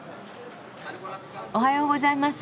おはようございます。